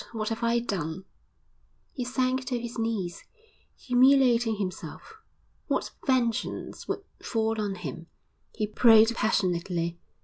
what have I done?' He sank to his knees, humiliating himself. What vengeance would fall on him? He prayed passionately.